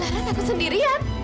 lara takut sendirian